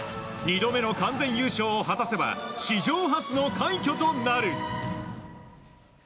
２度目の完全優勝を果たせば史上初の快挙となる。